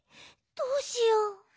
どうしよう！？